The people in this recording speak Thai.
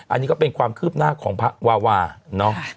อันนี้ก็เป็นความคืบหน้าของพระวาวาเนอะ